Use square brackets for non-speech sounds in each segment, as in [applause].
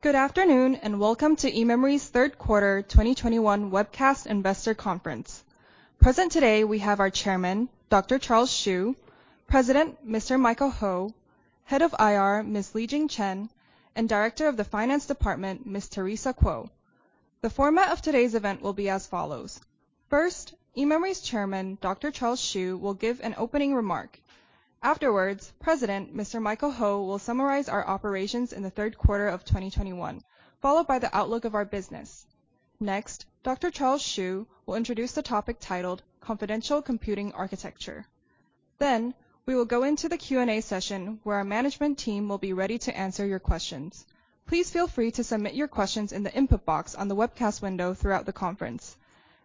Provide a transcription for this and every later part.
Good afternoon, and welcome to eMemory's third quarter 2021 webcast investor conference. Present today, we have our chairman, Dr. Charles Hsu, President, Mr. Michael Ho, Head of IR, Ms. Lijing Chen, and Director of the Finance Department, Ms. Teresa Kuo. The format of today's event will be as follows. First, eMemory's chairman, Dr. Charles Hsu, will give an opening remark. Afterwards, President Mr. Michael Ho will summarize our operations in the third quarter of 2021, followed by the outlook of our business. Next, Dr. Charles Hsu will introduce the topic titled Confidential Computing Architecture. Then we will go into the Q&A session, where our management team will be ready to answer your questions. Please feel free to submit your questions in the input box on the webcast window throughout the conference.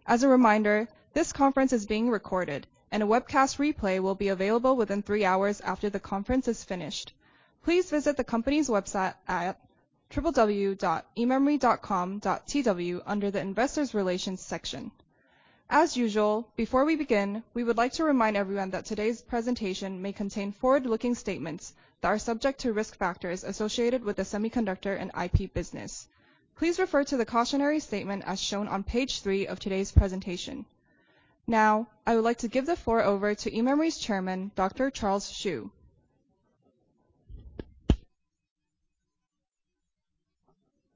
As a reminder, this conference is being recorded and a webcast replay will be available within three hours after the conference is finished. Please visit the company's website at www.ememory.com.tw under the Investor Relations section. As usual, before we begin, we would like to remind everyone that today's presentation may contain forward-looking statements that are subject to risk factors associated with the semiconductor and IP business. Please refer to the cautionary statement as shown on page three of today's presentation. Now I would like to give the floor over to eMemory's chairman, Dr. Charles Hsu.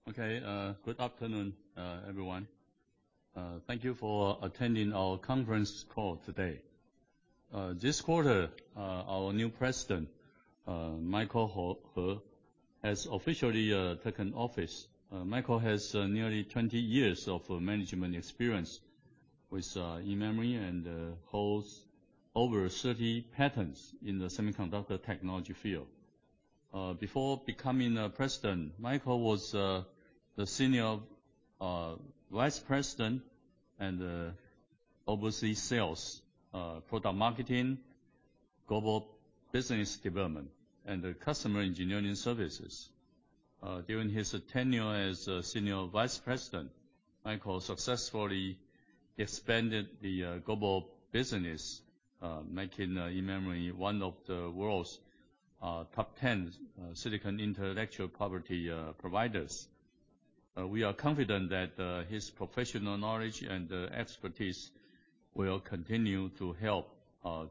Okay, good afternoon, everyone. Thank you for attending our conference call today. This quarter, our new president, Michael Ho, has officially taken office. Michael has nearly 20 years of management experience with eMemory and holds over 30 patents in the semiconductor technology field. Before becoming the president, Michael was the Senior Vice President and overseas sales, product marketing, global business development, and customer engineering services. During his tenure as Senior Vice President, Michael successfully expanded the global business, making eMemory one of the world's top 10 silicon intellectual property providers. We are confident that his professional knowledge and expertise will continue to help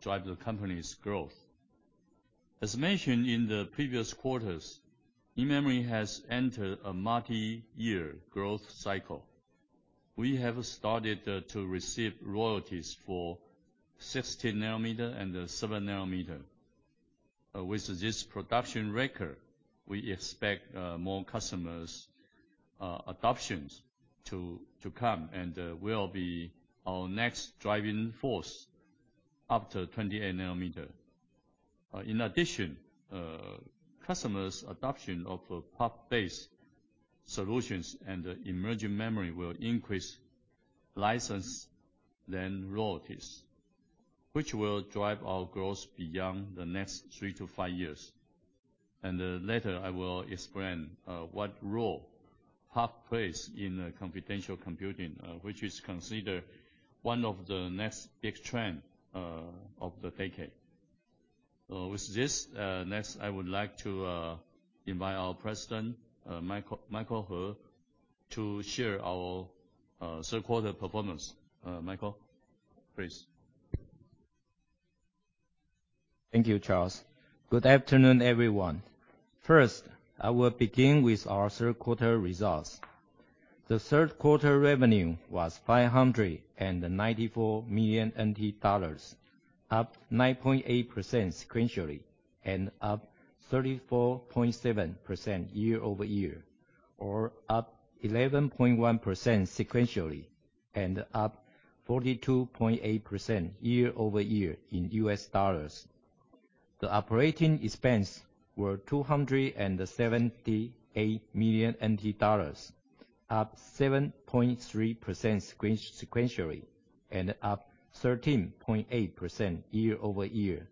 drive the company's growth. As mentioned in the previous quarters, eMemory has entered a multi-year growth cycle. We have started to receive royalties for 60 nm and 7 nm. With this production record, we expect more customers' adoptions to come and will be our next driving force after 28 nm. In addition, customers' adoption of PUF-based solutions and emerging memory will increase license then royalties, which will drive our growth beyond the next three to five years. Later, I will explain what role PUF plays in confidential computing, which is considered one of the next big trend of the decade. With this next, I would like to invite our President Michael Ho to share our third quarter performance. Michael, please. Thank you, Charles. Good afternoon, everyone. First, I will begin with our third quarter results. The third quarter revenue was 594 million NT dollars, up 9.8% sequentially and up 34.7% year-over-year, or up 11.1% sequentially and up 42.8% year-over-year in U.S. dollars. The operating expense were 278 million NT dollars, up 7.3% sequentially and up 13.8% year-over-year,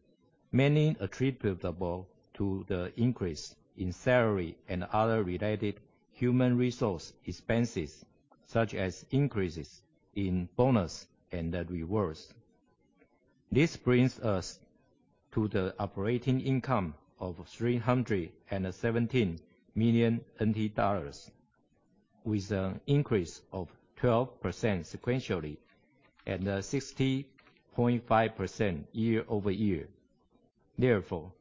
mainly attributable to the increase in salary and other related human resource expenses, such as increases in bonus and rewards. This brings us to the operating income of 317 million NT dollars with an increase of 12% sequentially and 60.5% year-over-year. Therefore,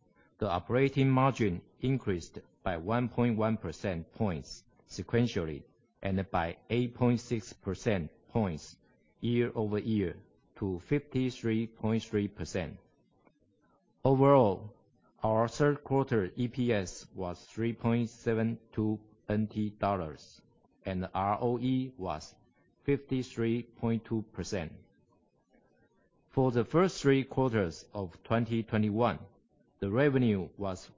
the operating margin increased by 1.1 percentage points sequentially and by 8.6 percentage points year-over-year to 53.3%. Overall, our third quarter EPS was 3.72 dollars and ROE was 53.2%. For the first three quarters of 2021, the revenue was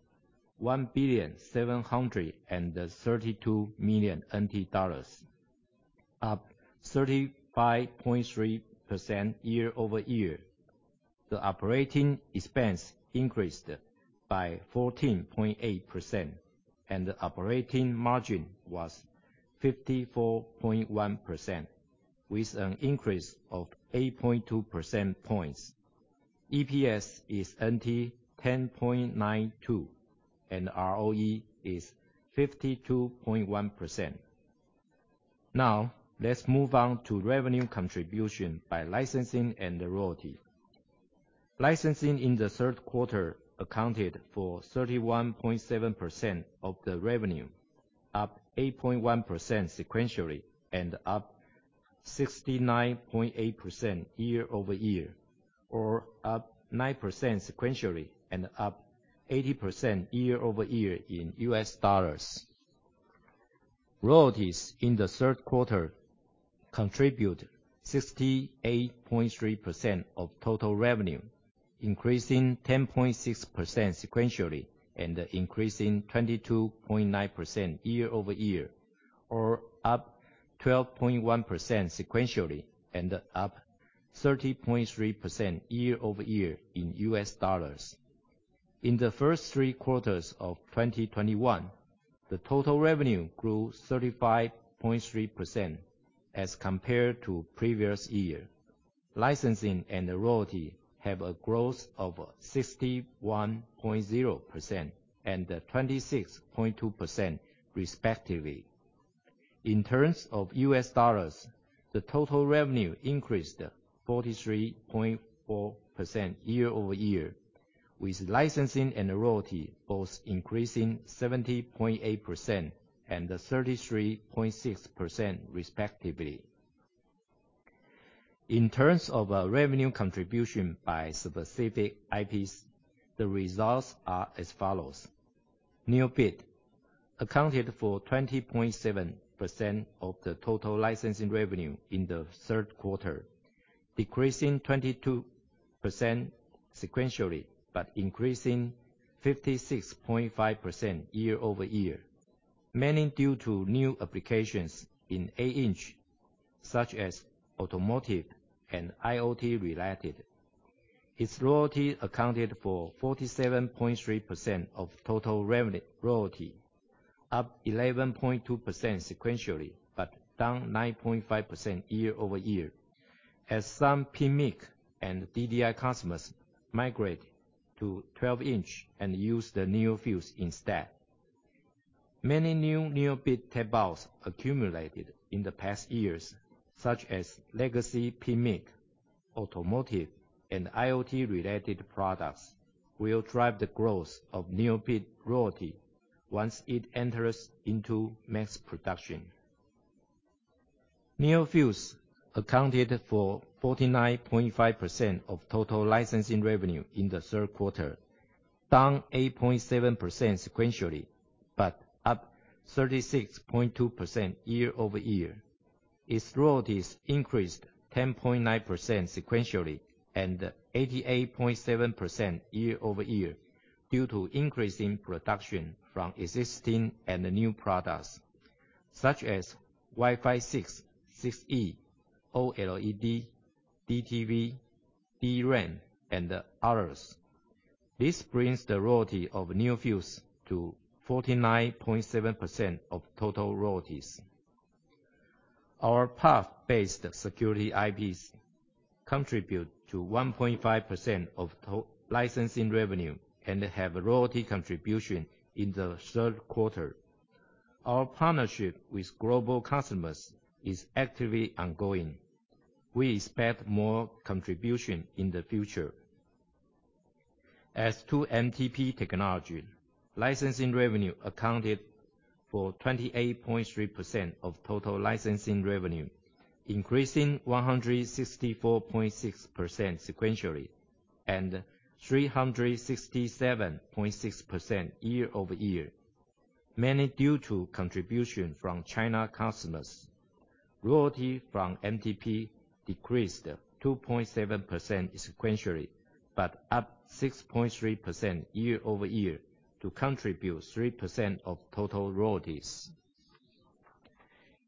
1,732 million NT dollars, up 35.3% year-over-year. The operating expense increased by 14.8% and the operating margin was 54.1% with an increase of 8.2 percentage points. EPS is 10.92, and ROE is 52.1%. Now, let's move on to revenue contribution by Licensing and the Royalty. Licensing in the third quarter accounted for 31.7% of the revenue, up 8.1% sequentially, and up 69.8% year-over-year. Up 9% sequentially and up 80% year-over-year in U.S. dollars. Royalties in the third quarter contribute 68.3% of total revenue, increasing 10.6% sequentially, and increasing 22.9% year-over-year, or up 12.1% sequentially and up 30.3% year-over-year in U.S. dollars. In the first three quarters of 2021, the total revenue grew 35.3% as compared to previous year. Licensing and the Royalty have a growth of 61.0% and 26.2% respectively. In terms of U.S. dollars, the total revenue increased 43.4% year-over-year, with Licensing and Royalty both increasing 70.8% and 33.6% respectively. In terms of revenue contribution by specific IPs, the results are as follows: NeoBit accounted for 20.7% of the total Licensing revenue in the third quarter, decreasing 22% sequentially, but increasing 56.5% year-over-year, mainly due to new applications in 8 in, such as automotive and IoT-related. Its Royalty accounted for 47.3% of total revenue Royalty, up 11.2% sequentially, but down 9.5% year-over-year as some PMIC and DDI customers migrate to 12 in and use the NeoFuse instead. Many new NeoBit tape-outs accumulated in the past years, such as legacy PMIC, automotive, and IoT-related products will drive the growth of NeoBit Royalty once it enters into mass production. NeoFuse accounted for 49.5% of total Licensing revenue in the third quarter, down 8.7% sequentially, but up 36.2% year-over-year. Its royalties increased 10.9% sequentially and 88.7% year-over-year due to increase in production from existing and the new products, such as Wi-Fi 6/6E, OLED, DTV, DRAM, and others. This brings the Royalty of NeoFuse to 49.7% of total royalties. Our PUF-based security IPs contribute to 1.5% of total Licensing revenue and have a Royalty contribution in the third quarter. Our partnership with global customers is actively ongoing. We expect more contribution in the future. As to MTP technology, Licensing revenue accounted for 28.3% of total Licensing revenue, increasing 164.6% sequentially and 367.6% year-over-year, mainly due to contribution from China customers. Royalty from MTP decreased 2.7% sequentially, but up 6.3% year-over-year to contribute 3% of total royalties.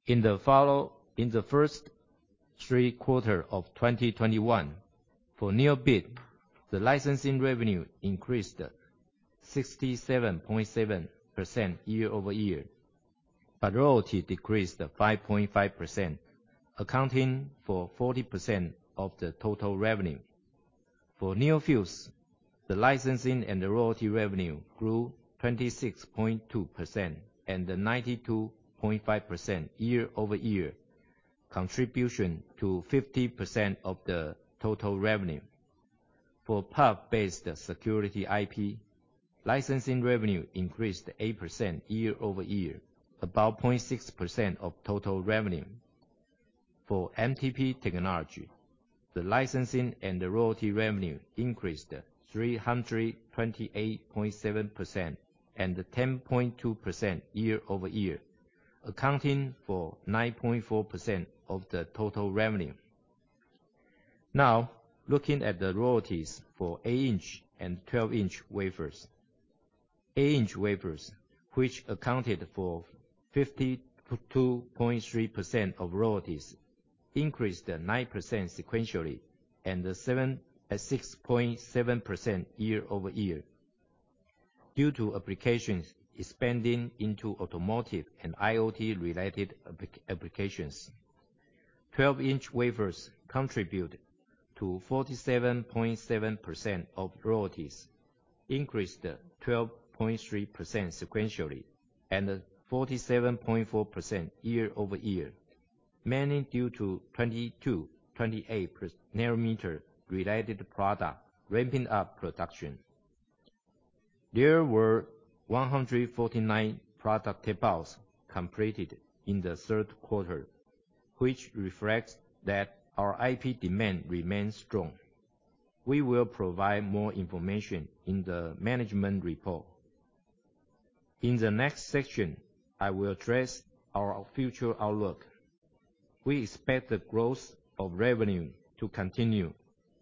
In the first three quarters of 2021, for NeoBit, the Licensing revenue increased 67.7% year-over-year, but Royalty decreased 5.5%, accounting for 40% of the total revenue. For NeoFuse, the Licensing and the Royalty revenue grew 26.2% and 92.5% year-over-year, contribution to 50% of the total revenue. For PUF-based security IP, Licensing revenue increased 8% year-over-year, about 0.6% of total revenue. For MTP technology, the Licensing and the Royalty revenue increased 328.7% and 10.2% year-over-year, accounting for 9.4% of the total revenue. Now, looking at the royalties for 8 in and 12 in wafers. 8 in wafers, which accounted for 52.3% of royalties, increased 9% sequentially and 7.6% year-over-year due to applications expanding into automotive and IoT-related applications. 12 in wafers contribute to 47.7% of royalties, increased 12.3% sequentially and 47.4% year-over-year, mainly due to 22nm, 28 nm related product ramping up production. There were 149 product tape-outs completed in the third quarter, which reflects that our IP demand remains strong. We will provide more information in the management report. In the next section, I will address our future outlook. We expect the growth of revenue to continue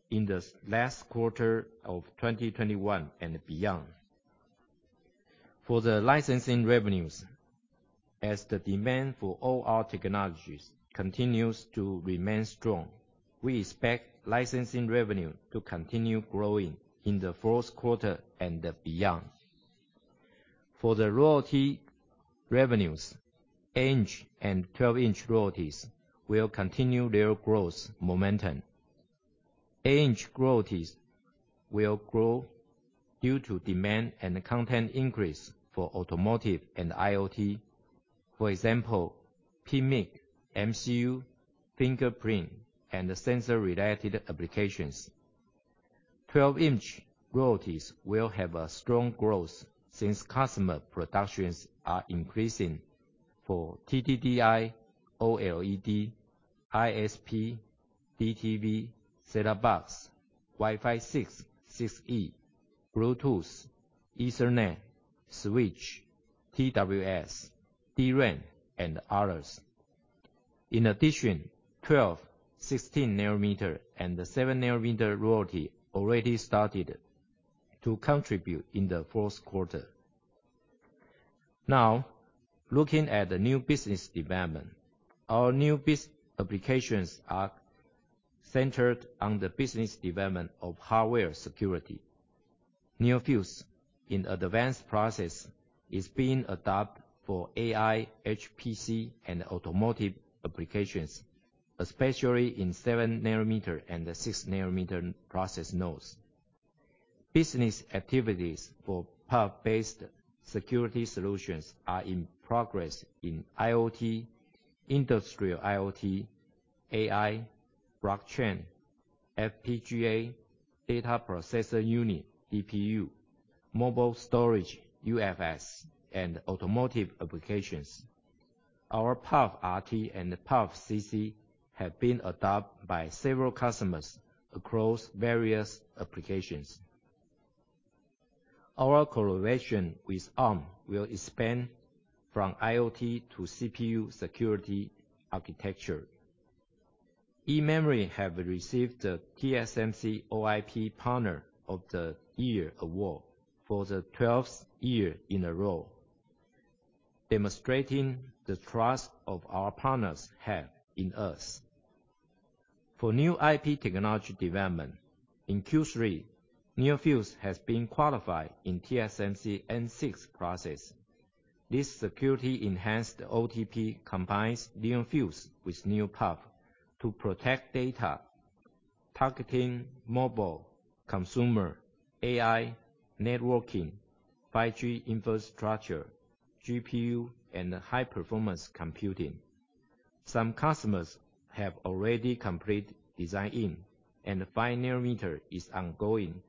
in the last quarter of 2021 and beyond. For the Licensing revenues, as the demand for all our technologies continues to remain strong, we expect Licensing revenue to continue growing in the fourth quarter and beyond. For the Royalty revenues, 8 in and 12 in royalties will continue their growth momentum. 8 in royalties will grow due to demand and content increase for automotive and IoT. For example, PMIC, MCU, fingerprint and sensor related applications. 12 in royalties will have a strong growth since customer productions are increasing for TDDI, OLED, ISP, DTV, set-top box, Wi-Fi 6/6E, Bluetooth, Ethernet, switch, TWS, DRAM and others. In addition, 12 nm, 16 nm and 7 nm royalties already started to contribute in the fourth quarter. Now, looking at the new business development. Our new applications are centered on the business development of hardware security. NeoFuse in advanced process is being adopted for AI, HPC and automotive applications, especially in 7 nm and 6 nm process nodes. Business activities for PUF-based security solutions are in progress in IoT, industrial IoT, AI, blockchain, FPGA, data processor unit, DPU, mobile storage, UFS and automotive applications. Our PUFrt and PUFcc have been adopted by several customers across various applications. Our collaboration with Arm will expand from IoT to CPU security architecture. eMemory have received the TSMC OIP Partner of the Year award for the twelfth year in a row, demonstrating the trust of our partners have in us. For new IP technology development, in Q3, NeoFuse has been qualified in TSMC N6 process. This security enhanced OTP combines NeoFuse with NeoPUF to protect data, targeting mobile, consumer, AI, networking, 5G infrastructure, GPU and high performance computing. Some customers have already completed design-in and the 5 nm is ongoing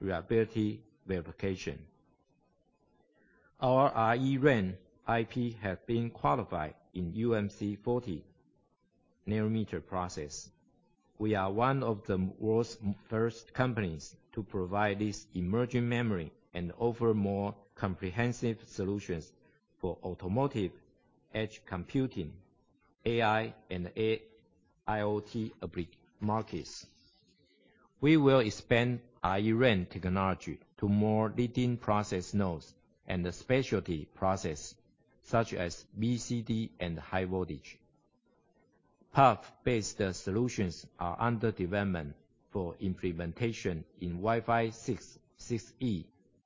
reliability verification. Our ReRAM IP has been qualified in UMC 40 nm process. We are one of the world's first companies to provide this emerging memory and offer more comprehensive solutions for automotive, edge computing, AI and AIoT markets. We will expand ReRAM technology to more leading process nodes and specialty process such as BCD and high voltage. PUF-based solutions are under development for implementation in Wi-Fi 6/6E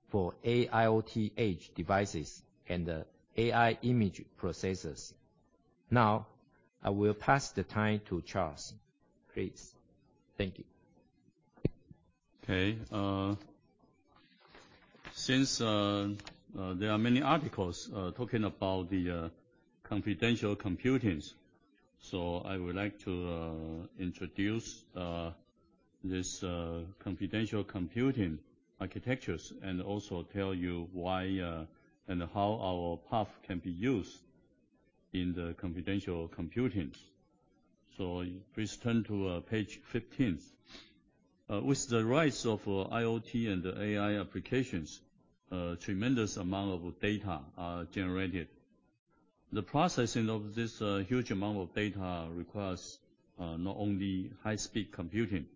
for AIoT edge devices and AI image processors. Now, I will pass the time to Dr. Charles Hsu, please. Thank you. Okay, since there are many articles talking about the confidential computing, I would like to introduce this confidential computing architecture and also tell you why and how our PUF can be used in the confidential computing. Please turn to page 15. With the rise of IoT and AI applications, a tremendous amount of data are generated. The processing of this huge amount of data requires not only high speed computing,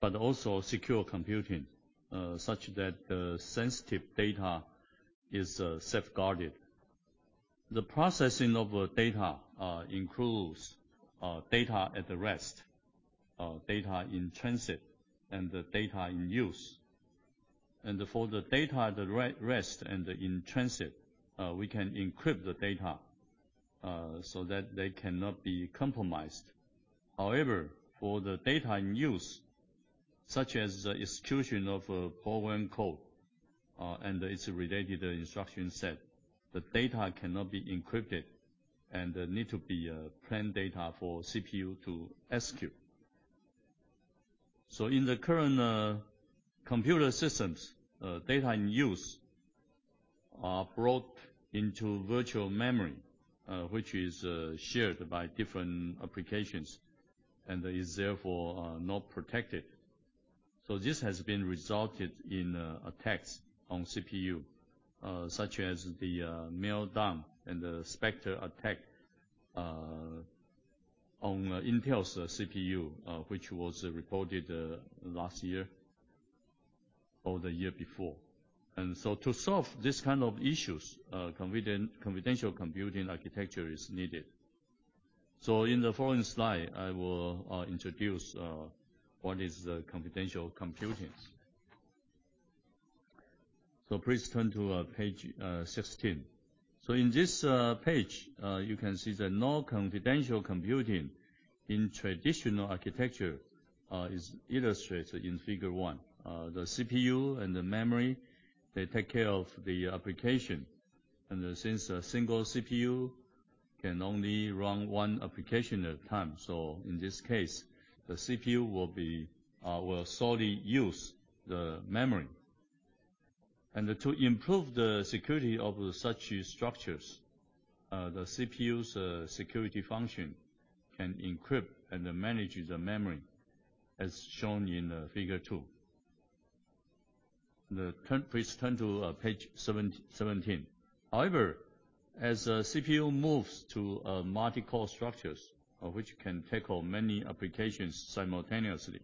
but also secure computing such that sensitive data is safeguarded. The processing of data includes data at rest, data in transit and the data in use. For the data at rest and in transit, we can encrypt the data so that they cannot be compromised. However, for the data in use, such as execution of a program code, and its related instruction set, the data cannot be encrypted and need to be plain data for CPU to execute. In the current computer systems, data in use are brought into virtual memory, which is shared by different applications and is therefore not protected. This has been resulted in attacks on CPU, such as the Meltdown and the Spectre attack on Intel's CPU, which was reported last year or the year before. To solve this kind of issues, confidential computing architecture is needed. In the following slide, I will introduce what is the confidential computing. Please turn to page 16. In this page, you can see the non-confidential computing in traditional architecture is illustrated in Figure 1. The CPU and the memory, they take care of the application. Since a single CPU can only run one application at a time, so in this case, the CPU will solely use the memory. To improve the security of such structures, the CPU's security function can encrypt and manage the memory, as shown in Figure 2. Please turn to page 17. However, as CPU moves to a multi-core structures, which can tackle many applications simultaneously,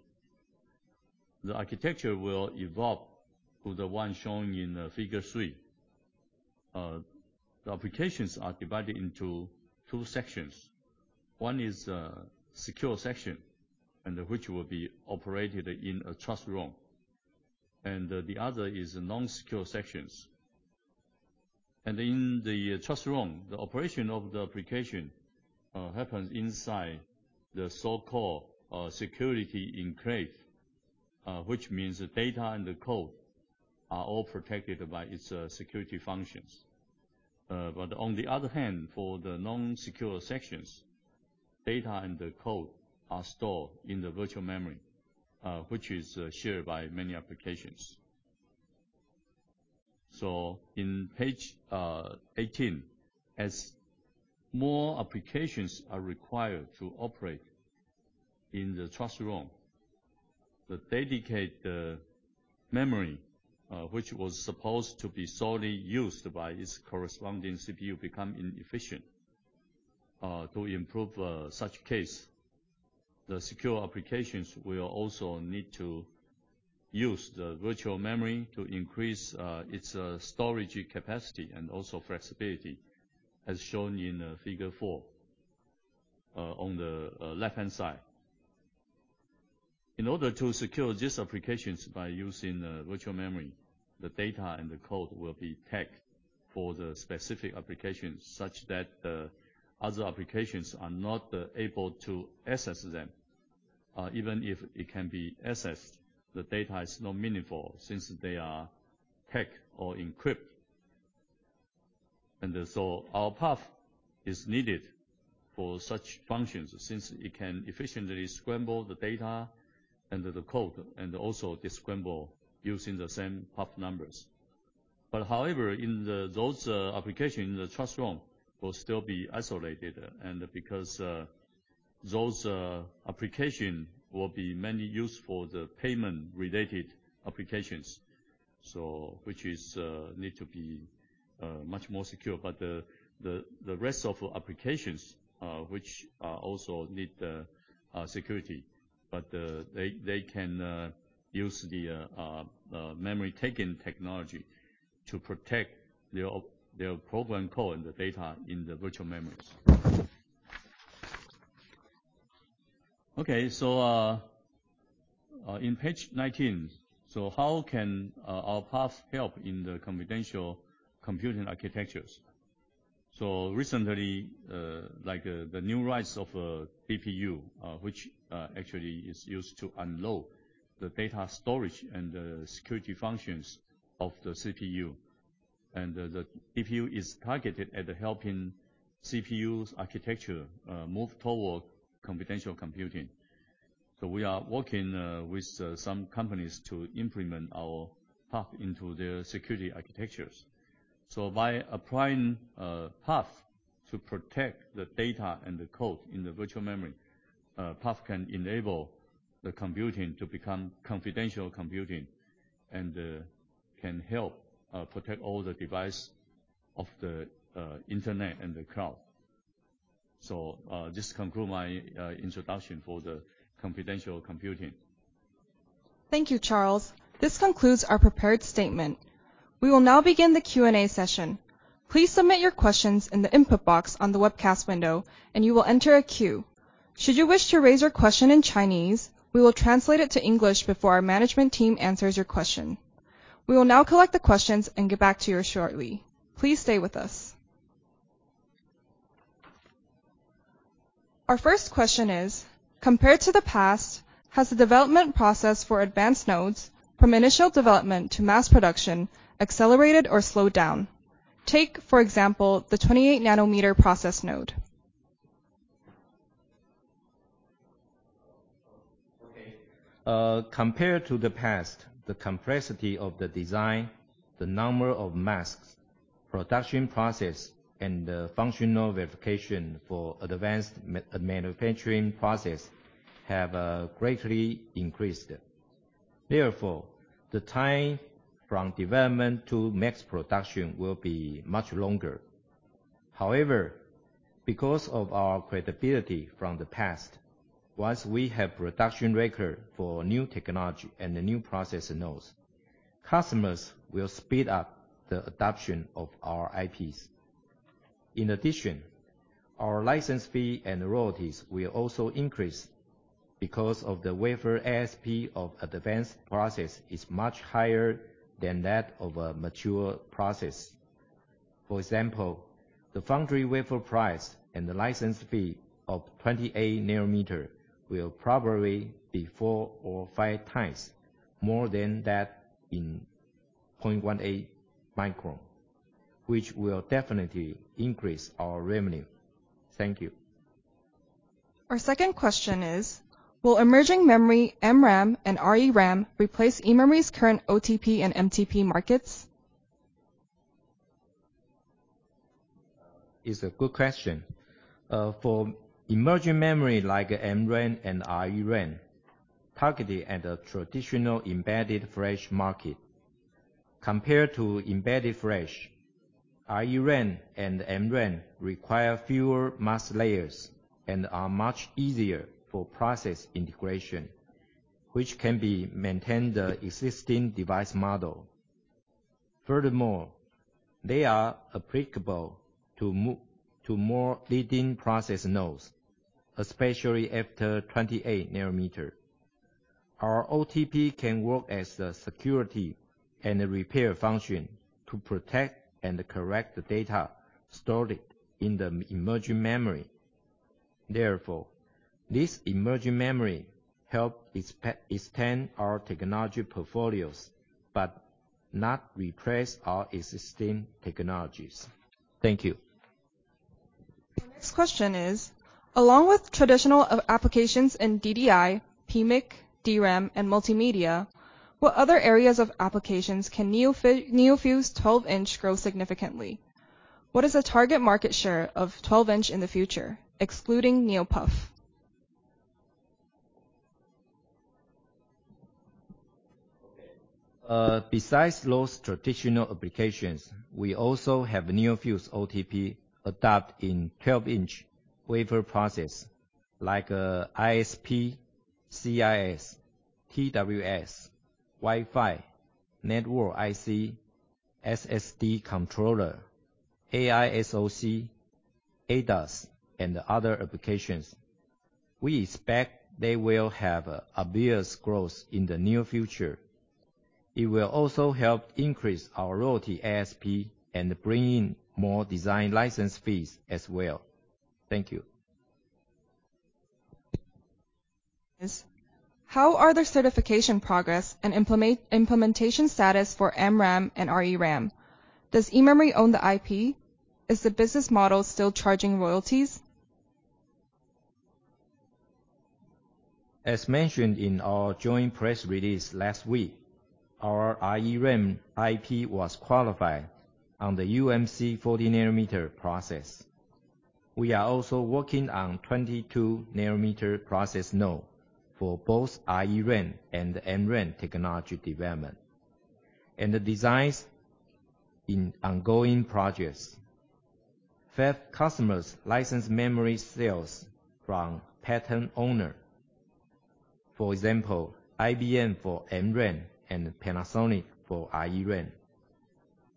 the architecture will evolve to the one shown in Figure 3. The applications are divided into two sections. One is secure section, and which will be operated in a trust realm, and the other is non-secure sections. In the trust realm, the operation of the application happens inside the so-called secure enclave, which means the data and the code are all protected by its security functions. On the other hand, for the non-secure sections, data and the code are stored in the virtual memory, which is shared by many applications. On page 18, as more applications are required to operate in the trust realm, the dedicated memory, which was supposed to be solely used by its corresponding CPU, become inefficient. To improve such case, the secure applications will also need to use the virtual memory to increase its storage capacity and also flexibility, as shown in Figure 4 on the left-hand side. In order to secure these applications by using virtual memory, the data and the code will be tagged for the specific application such that the other applications are not able to access them. Even if it can be accessed, the data is not meaningful since they are tagged or encrypted. Our PUF is needed for such functions since it can efficiently scramble the data and the code and also descramble using the same PUF numbers. In those applications, the trust realm will still be isolated because those applications will be mainly used for the payment-related applications, which need to be much more secure. The rest of applications which also need security, but they can use the memory tagging technology to protect their program code and the data in the virtual memories. Okay, on page 19. How can our PUF help in the confidential computing architectures? Recently, like, the new rise of DPU, which actually is used to unload the data storage and the security functions of the CPU. The DPU is targeted at helping CPU's architecture move toward confidential computing. We are working with some companies to implement our PUF into their security architectures. By applying PUF to protect the data and the code in the virtual memory, PUF can enable the computing to become confidential computing, and can help protect all the device of the internet and the cloud. This conclude my introduction for the confidential computing. Thank you, Charles. This concludes our prepared statement. We will now begin the Q&A session. Please submit your questions in the input box on the webcast window, and you will enter a queue. Should you wish to raise your question in Chinese, we will translate it to English before our management team answers your question. We will now collect the questions and get back to you shortly. Please stay with us. Our first question is, compared to the past, has the development process for advanced nodes from initial development to mass production accelerated or slowed down? Take, for example, the 28 nm process node. Okay. Compared to the past, the complexity of the design, the number of masks, production process, and the functional verification for advanced manufacturing process have greatly increased. Therefore, the time from development to mass production will be much longer. However, because of our credibility from the past, once we have production record for new technology and the new process nodes, customers will speed up the adoption of our IPs. In addition, our license fee and royalties will also increase because of the wafer ASP of advanced process is much higher than that of a mature process. For example, the foundry wafer price and the license fee of 28 nm will probably be four or five times more than that in 0.18-micron, which will definitely increase our revenue. Thank you. Our second question is, will emerging memory, MRAM and ReRAM, replace eMemory's current OTP and MTP markets? It's a good question. For emerging memory like MRAM and ReRAM, targeted at a traditional embedded flash market. Compared to embedded flash, ReRAM and MRAM require fewer mask layers and are much easier for process integration, which can maintain the existing device model. Furthermore, they are applicable to more leading process nodes, especially after 28 nm. Our OTP can work as the security and the repair function to protect and correct the data stored in the emerging memory. Therefore, this emerging memory helps extend our technology portfolios, but not replace our existing technologies. Thank you. The next question is, along with traditional applications in DDI, PMIC, DRAM, and multimedia, what other areas of applications can NeoFuse 12 in grow significantly? What is the target market share of 12 in in the future, excluding NeoPUF? Okay. Besides those traditional applications, we also have NeoFuse OTP adopt in 12 in wafer process, like, ISP, CIS, TWS, Wi-Fi, network IC, SSD controller, AI SoC, ADAS, and other applications. We expect they will have obvious growth in the near future. It will also help increase our Royalty ASP and bring in more design license fees as well. Thank you. Yes. How are the certification progress and implementation status for MRAM and ReRAM? Does eMemory own the IP? Is the business model still charging royalties? As mentioned in our joint press release last week, our ReRAM IP was qualified on the UMC 40 nm process. We are also working on 22 nm process node for both ReRAM and MRAM technology development and the designs in ongoing projects. Fab customers license memory sales from patent owner. For example, IBM for MRAM and Panasonic for ReRAM.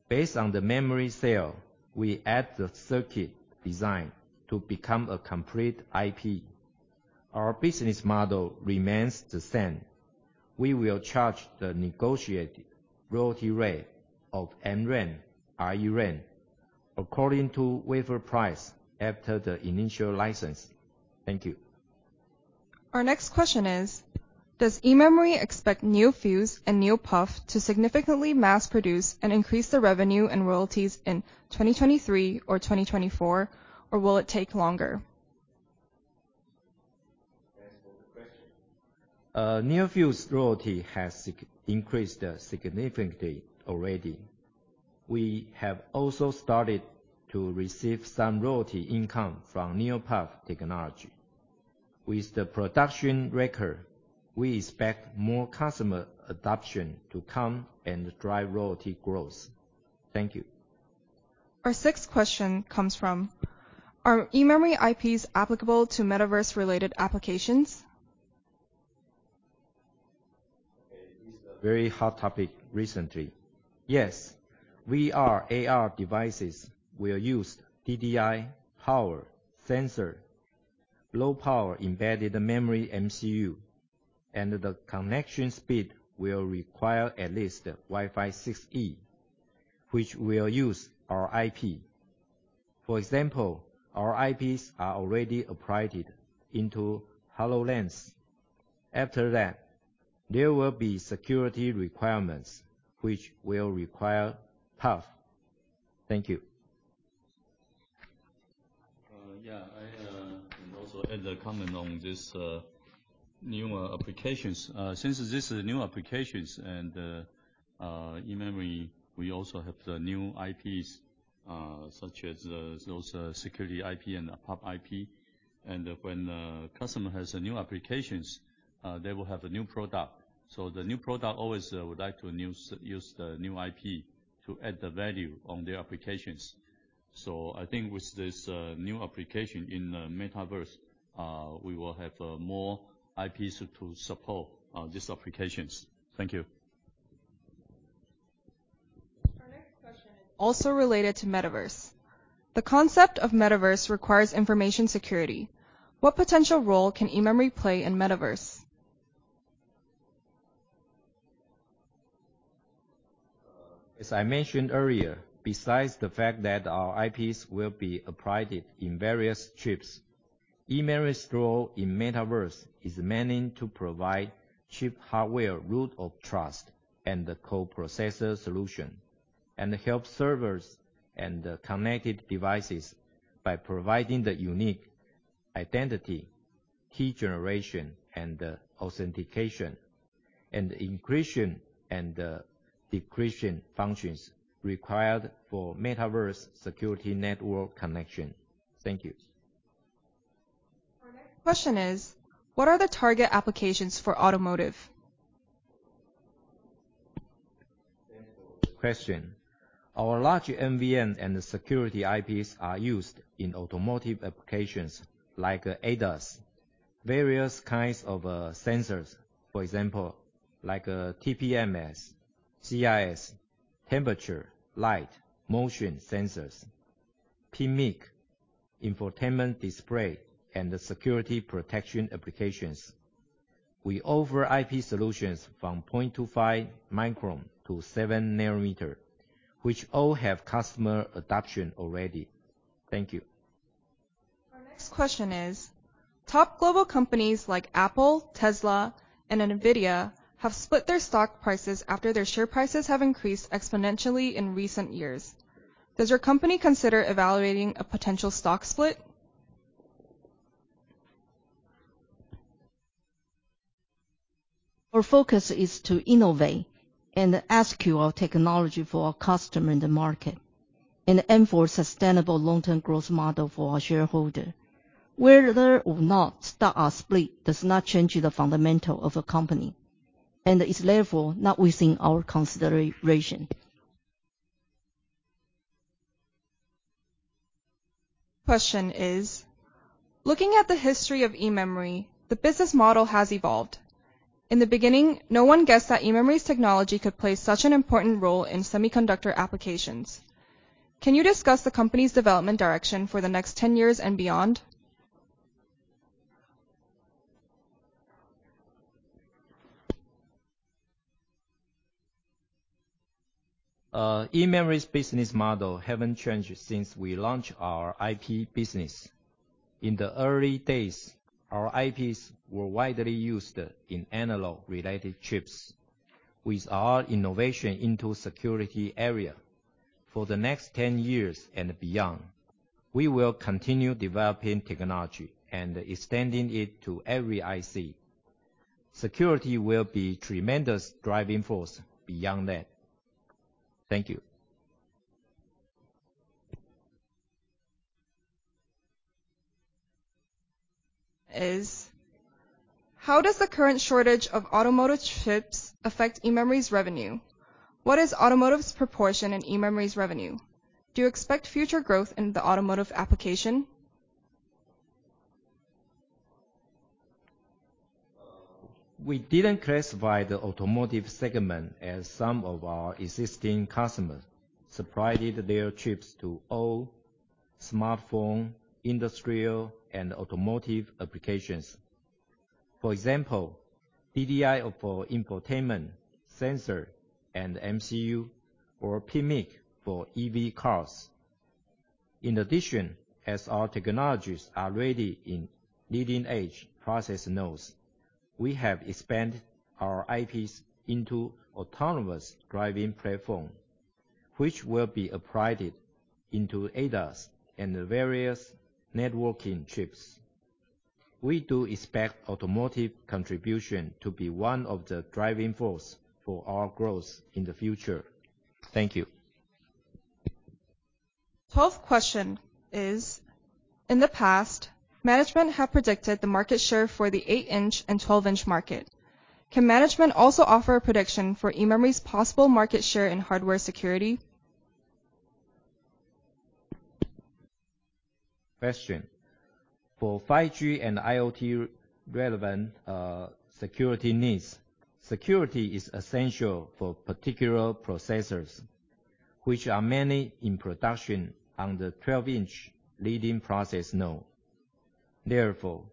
Based on the memory sale, we add the circuit design to become a complete IP. Our business model remains the same. We will charge the negotiated Royalty rate of MRAM, ReRAM according to wafer price after the initial license. Thank you. Our next question is, does eMemory expect NeoFuse and NeoPUF to significantly mass produce and increase the revenue and royalties in 2023 or 2024, or will it take longer? Thanks for the question. NeoFuse Royalty has significantly increased already. We have also started to receive some Royalty income from NeoPUF technology. With the production record, we expect more customer adoption to come and drive Royalty growth. Thank you. Our sixth question comes from, are eMemory IPs applicable to metaverse related applications? Okay. It's a very hot topic recently. Yes, VR, AR devices will use DDI, power, sensor, low power embedded memory MCU, and the connection speed will require at least Wi-Fi 6E, which will use our IP. For example, our IPs are already applied into HoloLens. After that, there will be security requirements, which will require PUF. Thank you. Yeah. I can also add a comment on this new applications. Since this is new applications and eMemory, we also have the new IPs, such as those security IP and the PUF IP. When a customer has a new applications, they will have a new product. The new product always would like to use the new IP to add the value on the applications. I think with this new application in the metaverse, we will have more IPs to support these applications. Thank you. Our next question, also related to metaverse. The concept of metaverse requires information security. What potential role can eMemory play in metaverse? As I mentioned earlier, besides the fact that our IPs will be applied in various chips, eMemory's role in metaverse is meant to provide chip hardware Root of Trust and the co-processor solution, and help servers and the connected devices by providing the unique identity, key generation and authentication, and encryption and decryption functions required for metaverse security network connection. Thank you. Our next question is, what are the target applications for automotive? Thank you for the question. Our large NVM and the security IPs are used in automotive applications like ADAS, various kinds of sensors, for example, like a TPMS, CIS, temperature, light, motion sensors, PMIC, infotainment display, and the security protection applications. We offer IP solutions from 0.25-micron to 7 nm, which all have customer adoption already. Thank you. Our next question is, top global companies like Apple, Tesla, and NVIDIA have split their stock prices after their share prices have increased exponentially in recent years. Does your company consider evaluating a potential stock split? Our focus is to innovate and secure our technology for our customer in the market and aim for sustainable long-term growth model for our shareholder. Whether or not stock are split does not change the fundamental of a company, and is therefore not within our consideration. Question is, looking at the history of eMemory, the business model has evolved. In the beginning, no one guessed that eMemory's technology could play such an important role in semiconductor applications. Can you discuss the company's development direction for the next 10 years and beyond? eMemory's business model haven't changed since we launched our IP business. In the early days, our IPs were widely used in analog-related chips with our innovation into security area. For the next 10 years and beyond, we will continue developing technology and extending it to every IC. Security will be tremendous driving force beyond that. Thank you. How does the current shortage of automotive chips affect eMemory's revenue? What is automotive's proportion in eMemory's revenue? Do you expect future growth in the automotive application? We didn't classify the automotive segment as some of our existing customers supplied their chips to all smartphone, industrial, and automotive applications. For example, DDI for infotainment, sensor and MCU or PMIC for EV cars. In addition, as our technologies are already in leading-edge process nodes, we have expanded our IPs into autonomous driving platform, which will be applied into ADAS and the various networking chips. We do expect automotive contribution to be one of the driving force for our growth in the future. Thank you. 12th question is. In the past, management have predicted the market share for the 8-inch and 12-inch market. Can management also offer a prediction for eMemory's possible market share in hardware security? For 5G and IoT relevant, security needs, security is essential for particular processors, which are mainly in production on the 12 in leading process node. Therefore,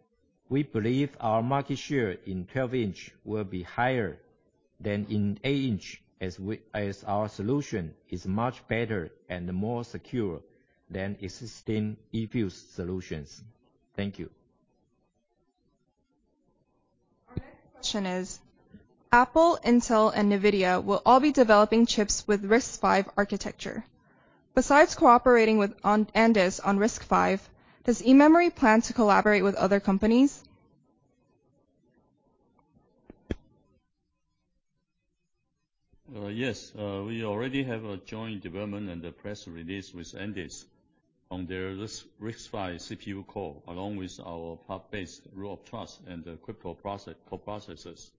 we believe our market share in 12 in will be higher than in 8 in as our solution is much better and more secure than existing eFuse solutions. Thank you. Question is: Apple, Intel, and NVIDIA will all be developing chips with RISC-V architecture. Besides cooperating with Andes on RISC-V, does eMemory plan to collaborate with other companies? Yes, we already have a joint development and a press release with Andes on their RISC-V CPU core, along with our PUF-based Root of Trust and crypto coprocessors.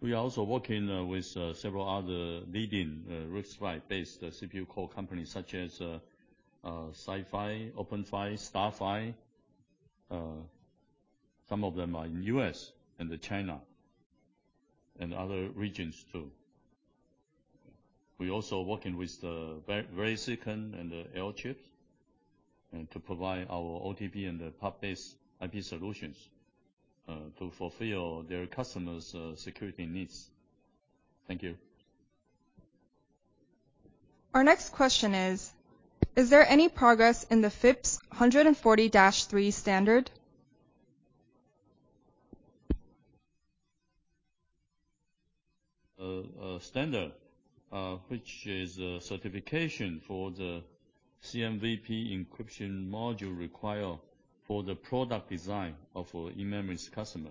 We are also working with several other leading RISC-V based CPU core companies such as SiFive, OpenFive, StarFive. Some of them are in U.S. and China, and other regions too. We're also working with VeriSilicon and Alchip to provide our OTP and the PUF-based IP solutions to fulfill their customers' security needs. Thank you. Our next question is: Is there any progress in the FIPS 140-3 standard? The FIPS standard, which is a certification for the CMVP encryption module required for the product design of eMemory's customer.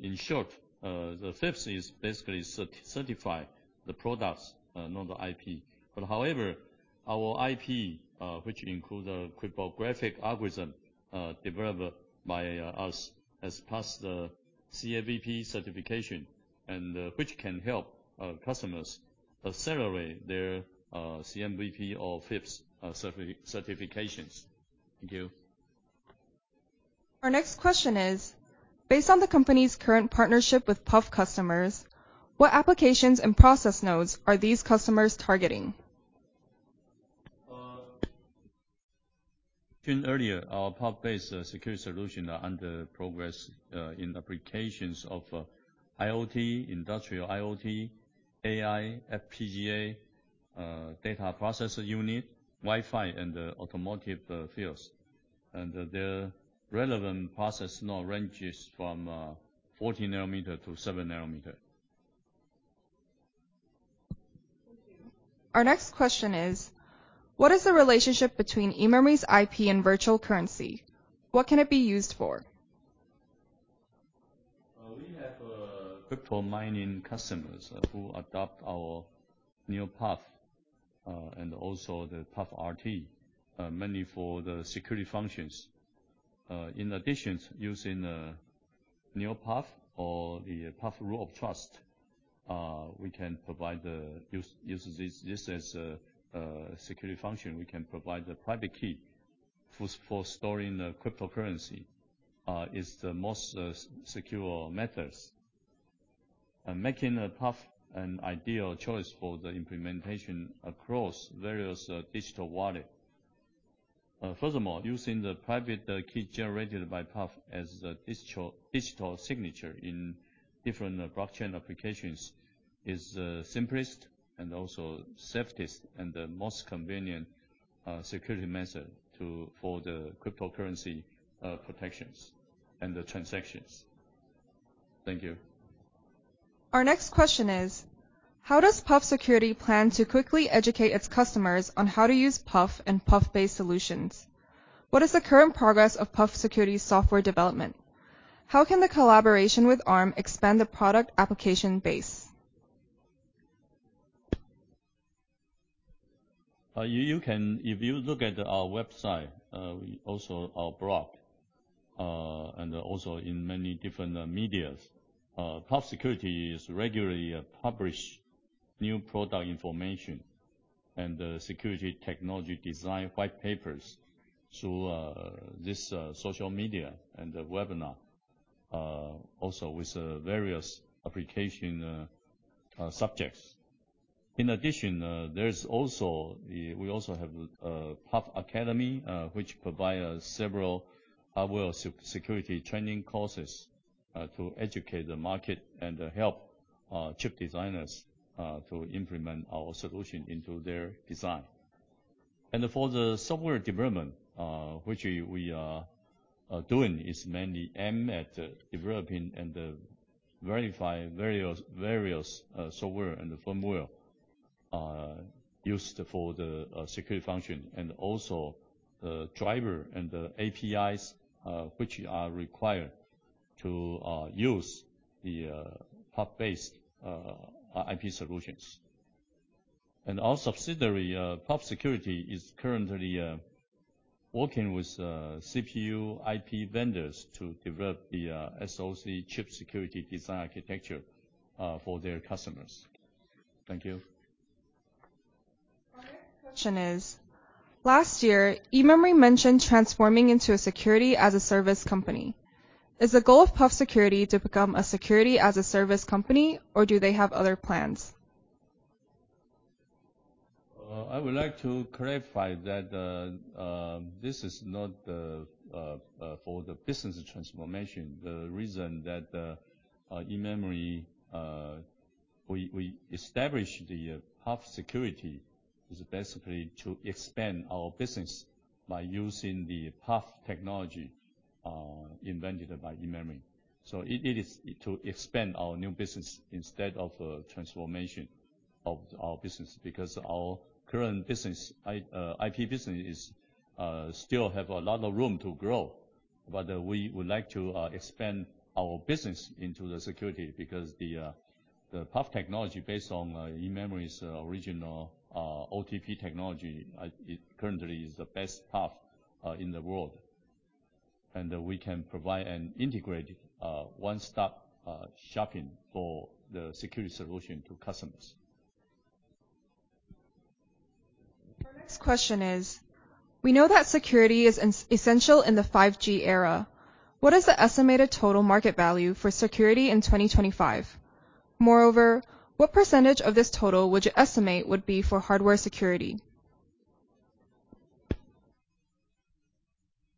In short, the FIPS basically certifies the products, not the IP. However, our IP, which includes a cryptographic algorithm developed by us, has passed the CMVP certification and which can help customers accelerate their CMVP or FIPS certifications. Thank you. Our next question is: Based on the company's current partnership with PUF customers, what applications and process nodes are these customers targeting? Mentioned earlier, our PUF-based security solution are under progress in applications of IoT, industrial IoT, AI, FPGA, data processor unit, Wi-Fi, and automotive fields. The relevant process node ranges from 14 nm to 7 nm. Thank you. Our next question is: What is the relationship between eMemory's IP and virtual currency? What can it be used for? We have crypto mining customers who adopt our NeoPUF and also the PUF RT mainly for the security functions. In addition, using NeoPUF or the PUF Root of Trust, we can provide this as security function. We can provide the private key for storing the cryptocurrency is the most secure methods making the PUF an ideal choice for the implementation across various digital wallet. Furthermore, using the private key generated by PUF as the digital signature in different blockchain applications is the simplest and also safest and the most convenient security method for the cryptocurrency protections and the transactions. Thank you. Our next question is: How does PUFsecurity plan to quickly educate its customers on how to use PUF and PUF-based solutions? What is the current progress of PUFsecurity's software development? How can the collaboration with Arm expand the product application base? If you look at our website, we also have our blog, and also in many different media, PUFsecurity is regularly publish new product information and the security technology design white papers through this social media and the webinar, also with various application subjects. In addition, we also have PUF Academy, which provide several hardware security training courses to educate the market and help chip designers to implement our solution into their design. For the software development, which we are doing, is mainly aimed at developing and verifying various software and firmware used for the security function and also the driver and the APIs, which are required to use the PUF-based IP solutions. Our subsidiary, PUFsecurity, is currently working with CPU IP vendors to develop the SoC chip security design architecture for their customers. Thank you. My next question is, last year, eMemory mentioned transforming into a security as a service company. Is the goal of PUFsecurity to become a security as a service company, or do they have other plans? I would like to clarify that this is not for the business transformation. The reason that eMemory we established PUFsecurity is basically to expand our business by using the PUF technology invented by eMemory. It is to expand our new business instead of transformation of our business. Because our current business, IP business, still have a lot of room to grow. We would like to expand our business into the security because the PUF technology based on eMemory's original OTP technology it currently is the best PUF in the world. We can provide an integrated one-stop shopping for the security solution to customers. Our next question is, we know that security is essential in the 5G era. What is the estimated total market value for security in 2025? Moreover, what percentage of this total would you estimate would be for hardware security?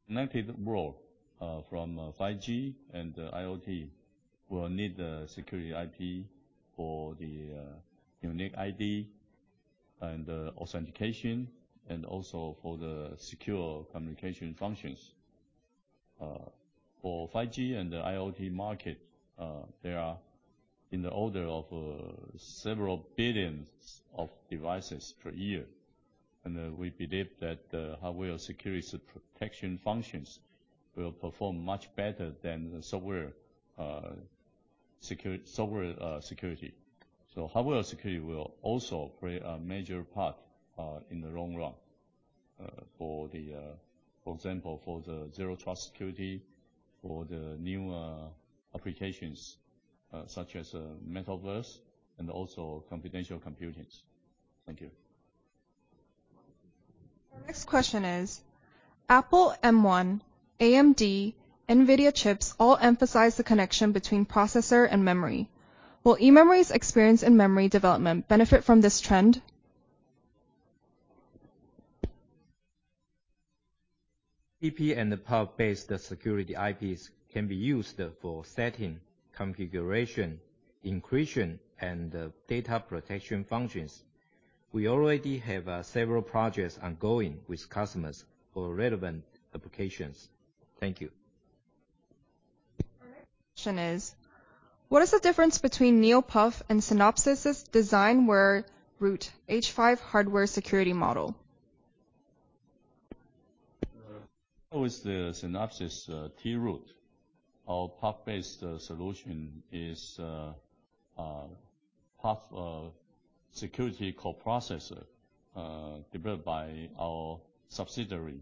Connected world from 5G and IoT will need the security IP for the unique ID and authentication and also for the secure communication functions. For 5G and the IoT market, they are in the order of several billions of devices per year. We believe that the hardware security protection functions will perform much better than the software security. Hardware security will also play a major part in the long run, for example, for the Zero Trust security, for the new applications such as metaverse and also confidential computing. Thank you. Our next question is, Apple M1, AMD, NVIDIA chips all emphasize the connection between processor and memory. Will eMemory's experience in memory development benefit from this trend? OTP and the PUF-based security IPs can be used for setting, configuration, encryption, and data protection functions. We already have several projects ongoing with customers for relevant applications. Thank you. Our next question is, what is the difference between NeoPUF and Synopsys DesignWare tRoot H5 hardware security module? Unlike the Synopsys tRoot. Our PUF-based solution is a PUF security coprocessor developed by our subsidiary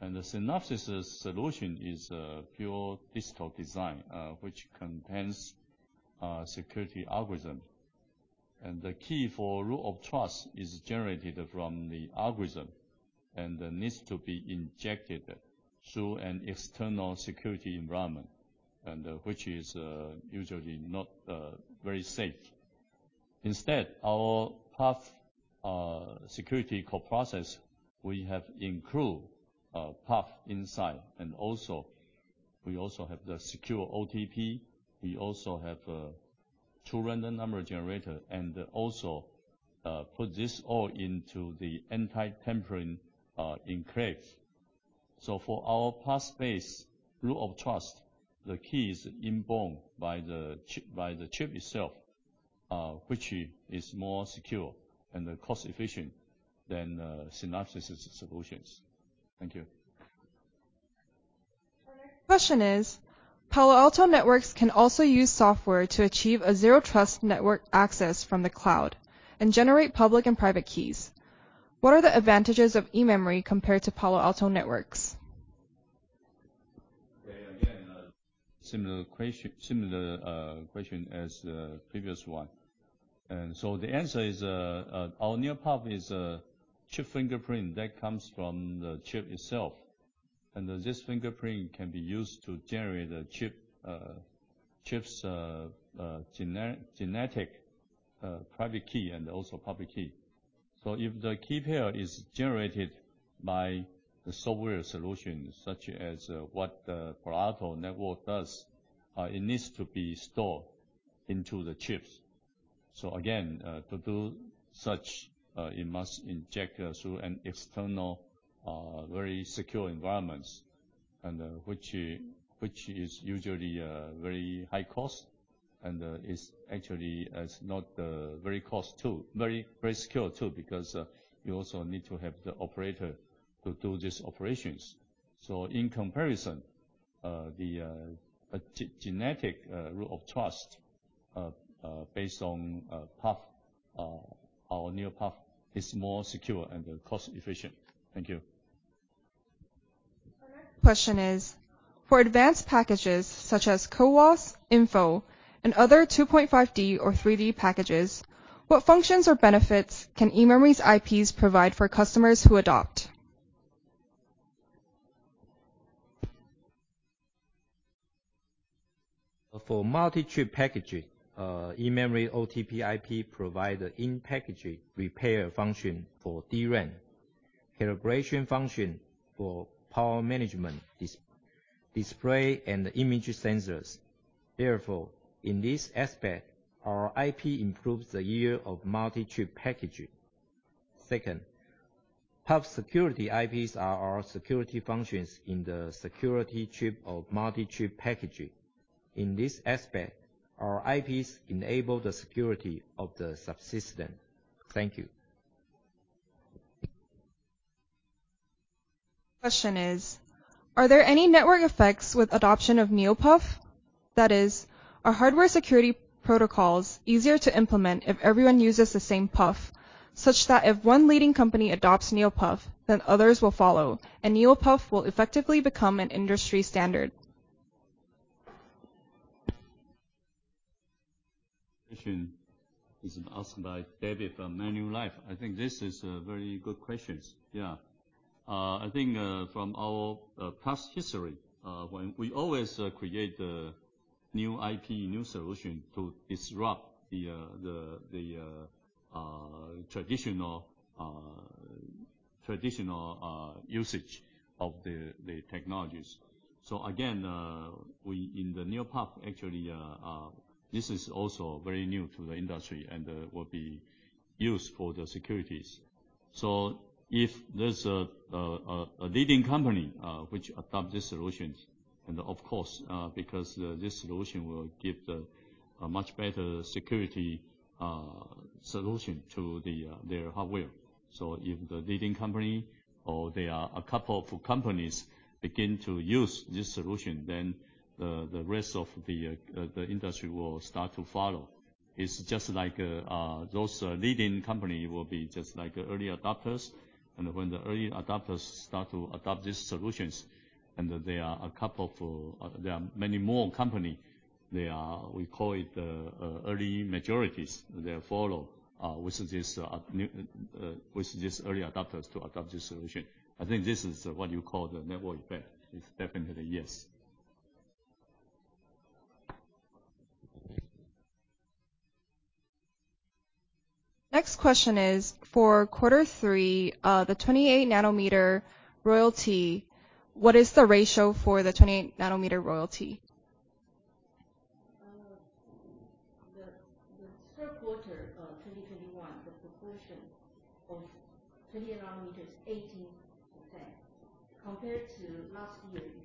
PUFsecurity. The Synopsys solution is a pure digital design which contains security algorithm. The key for Root of Trust is generated from the algorithm and needs to be injected through an external security environment, which is usually not very safe. Instead, our PUF security coprocessor includes PUF inside, and we also have the secure OTP. We also have two random number generator and also put this all into the anti-tampering encryption. For our PUF-based Root of Trust, the key is inborn by the chip itself, which is more secure and cost efficient than Synopsys solutions. Thank you. Our next question is, Palo Alto Networks can also use software to achieve a Zero Trust network access from the cloud and generate public and private keys. What are the advantages of eMemory compared to Palo Alto Networks? Again, a similar question as the previous one. The answer is, our NeoPUF is a chip fingerprint that comes from the chip itself. This fingerprint can be used to generate a chip's genetic private key and also public key. If the key pair is generated by the software solution, such as what Palo Alto Networks does, it needs to be stored into the chips. Again, to do such, it must inject through an external very secure environment and which is usually very high cost and is actually not very secure too, because you also need to have the operator to do these operations. In comparison, the genuine Root of Trust based on PUF, our NeoPUF is more secure and cost efficient. Thank you. The next question is, for advanced packages such as CoWoS, InFO, and other 2.5D or 3D packages, what functions or benefits can eMemory's IPs provide for customers who adopt? For multi-chip packaging, eMemory OTP IP provide in-package repair function for DRAM, calibration function for power management display and image sensors. Therefore, in this aspect, our IP improves the yield of multi-chip packaging. Second, PUF security IPs are our security functions in the security chip of multi-chip packaging. In this aspect, our IPs enable the security of the subsystem. Thank you. Question is, are there any network effects with adoption of NeoPUF? That is, are hardware security protocols easier to implement if everyone uses the same PUF, such that if one leading company adopts NeoPUF, then others will follow, and NeoPUF will effectively become an industry standard? Question is asked by David from New Street Research. I think this is a very good question. Yeah. I think, from our past history, when we always create the new IP, new solution to disrupt the traditional usage of the technologies. Again, in the NeoPUF, actually, this is also very new to the industry and will be used for the security. If there's a leading company which adopt these solutions and of course, because this solution will give a much better security solution to their hardware. If the leading company or there are a couple of companies begin to use this solution, then the rest of the industry will start to follow. It's just like those leading company will be just like early adopters. When the early adopters start to adopt these solutions, there are many more company, they are, we call it, early majorities, they follow with this early adopters to adopt this solution. I think this is what you call the network effect. It's definitely yes. Next question is, for quarter three, the 28 nm Royalty, what is the ratio for the 28 nm Royalty? The third quarter of 2021, the proportion of 20 nm, 18%, compared to last year is [audio distortion]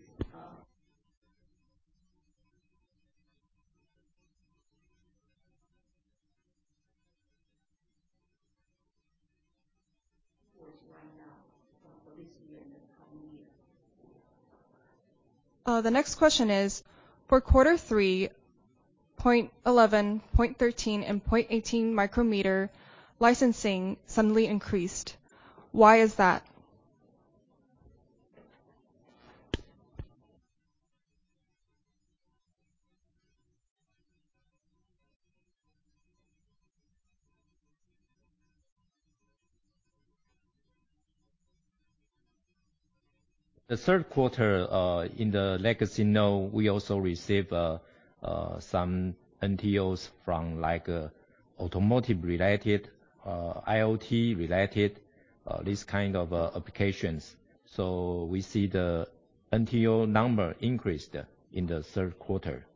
The next question is, for quarter three, 0.11, 0.13, and 0.18 micrometer Licensing suddenly increased. Why is that? The third quarter, in the legacy node, we also receive some NTOs from like automotive-related, IoT-related, this kind of applications. We see the NTO number increased in the third quarter.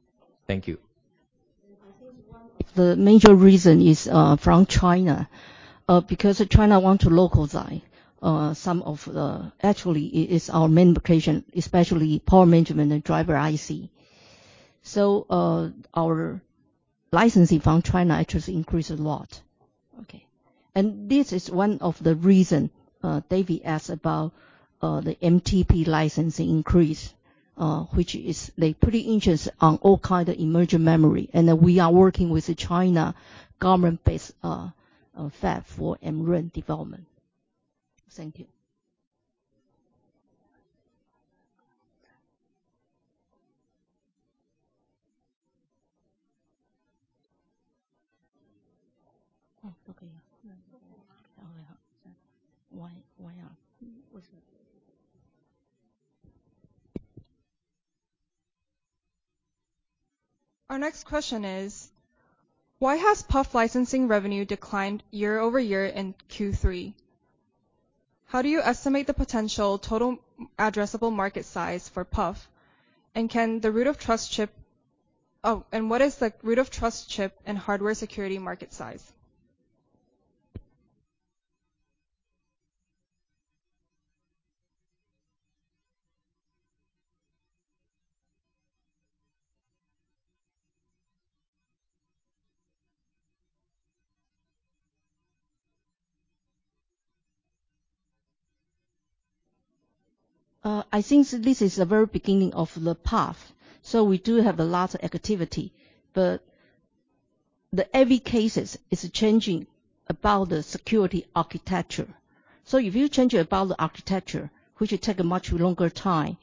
Thank you. I think one of the major reason is from China, because China want to localize. Actually, it is our main application, especially power management and driver IC. Our Licensing from China actually increased a lot. Okay. This is one of the reason David asked about, the MTP Licensing increase, which is they pretty interested on all kind of emerging memory. We are working with the China government-based fab for MRAM development. Thank you. [audio distortion] Our next question is, why has PUF Licensing revenue declined year-over-year in Q3? How do you estimate the potential total addressable market size for PUF? Oh, what is the Root of Trust chip and hardware security market size? I think this is the very beginning of the PUF. We do have a lot of activity, but every case is changing about the security architecture. If you change about the architecture, which will take a much longer time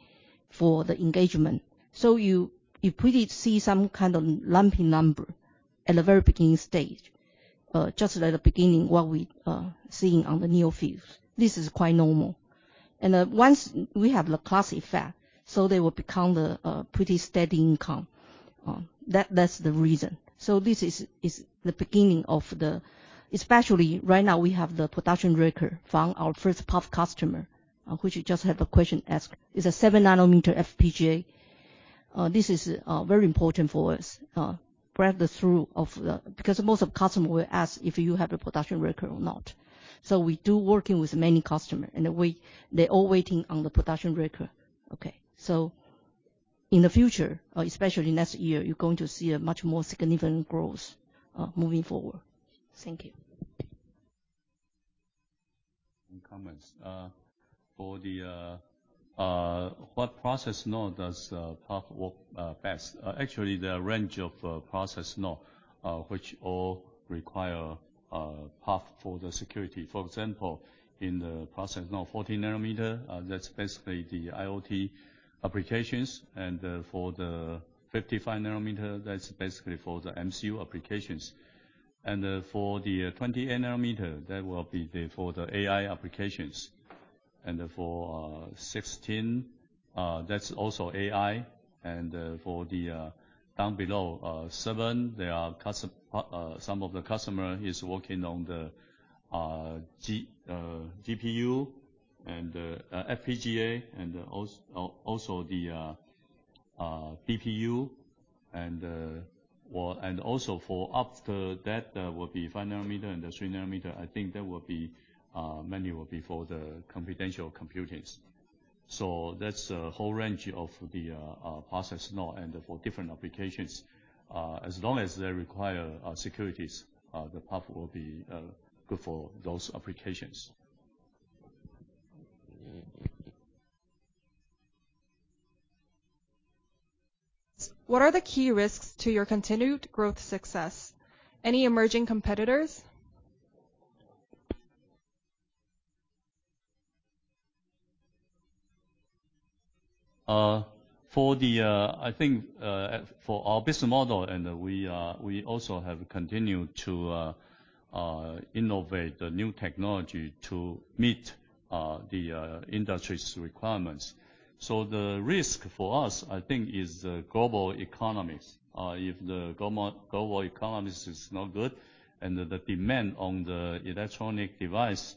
for the engagement. You pretty see some kind of lumpy number at the very beginning stage, just at the beginning, what we seeing on the NeoFuse. This is quite normal. Once we have the class effect, they will become the pretty steady income. That's the reason. This is the beginning of the... Especially right now we have the production record from our first PUF customer, which you just had a question asked, is a 7 nm FPGA. This is very important for us, breakthrough of the... Because most of customer will ask if you have a production record or not. We do working with many customer, and they're all waiting on the production record. Okay. In the future, especially next year, you're going to see a much more significant growth, moving forward. Thank you. What process node does PUF work best? Actually, the range of process node which all require PUF for the security. For example, in the process node 40 nm, that's basically the IoT applications. For the 55 nm, that's basically for the MCU applications. For the 20 nm, that will be for the AI applications. For 16 nm, that's also AI. For the down below 7 nm, there are some of the customers working on the GPU and the FPGA and also the BPU, and well, and also for up to that will be 5 nm and the 3 nm. I think that will mainly be for the confidential computing. That's a whole range of the process node and for different applications. As long as they require security, the PUF will be good for those applications. What are the key risks to your continued growth success? Any emerging competitors? I think, for our business model, we also have continued to innovate the new technology to meet the industry's requirements. The risk for us, I think, is the global economies. If the global economies is not good and the demand on the electronic device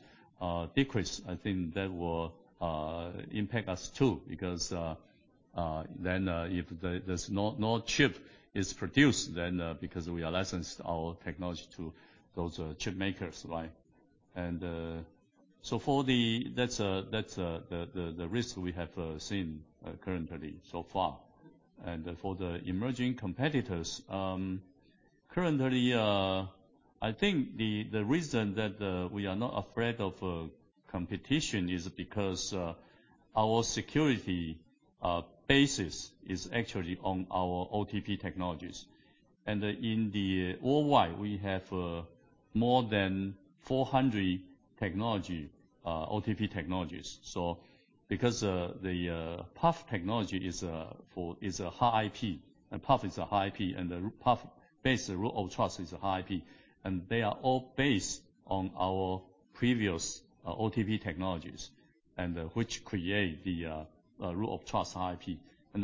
decrease, I think that will impact us too, because then if there's no chip is produced then, because we license our technology to those chip makers, right? That's the risk we have seen currently so far. For the emerging competitors, currently, I think the reason that we are not afraid of competition is because our security basis is actually on our OTP technologies. In the worldwide, we have more than 400 technology OTP technologies. Because the PUF technology is a hard IP and PUF is a hard IP, and the PUF-based Root of Trust is a hard IP, and they are all based on our previous OTP technologies, and which create the Root of Trust hard IP.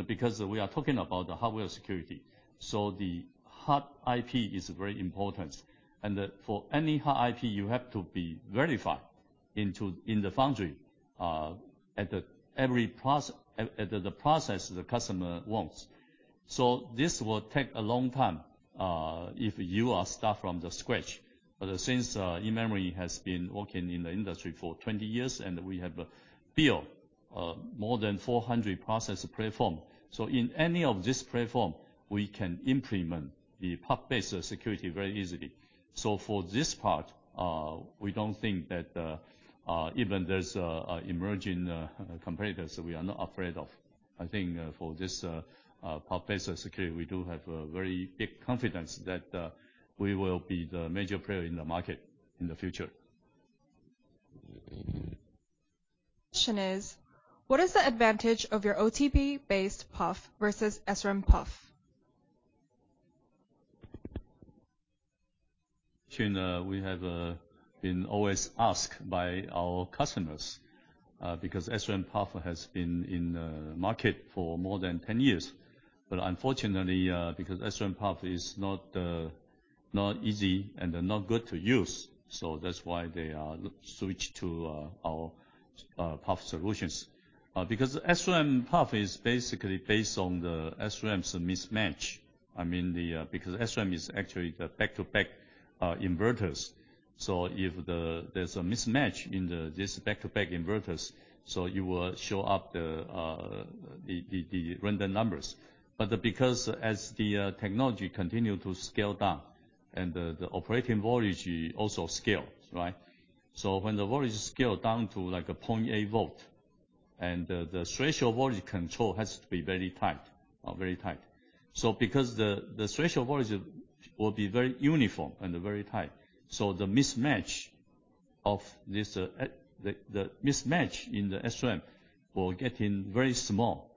Because we are talking about the hardware security, the hard IP is very important. For any hard IP, you have to be verified in the foundry at every process the customer wants. This will take a long time if you start from scratch. Since eMemory has been working in the industry for 20 years, and we have built more than 400 process platforms. In any of these platforms, we can implement the PUF-based security very easily. For this part, we don't think that even there's emerging competitors, we are not afraid of. I think for this PUF-based security, we do have a very big confidence that we will be the major player in the market in the future. Question is, what is the advantage of your OTP-based PUF versus SRAM PUF? We have been always asked by our customers because SRAM PUF has been in the market for more than 10 years. Unfortunately because SRAM PUF is not easy and not good to use, so that's why they switch to our PUF solutions. Because SRAM PUF is basically based on the SRAM's mismatch. I mean, because SRAM is actually the back-to-back inverters. If there's a mismatch in these back-to-back inverters, you will show up the random numbers. Because as the technology continue to scale down and the operating voltage also scales, right? When the voltage scale down to like a 0.8 V and the threshold voltage control has to be very tight. Very tight. Because the threshold voltage will be very uniform and very tight, the mismatch in the SRAM will get very small.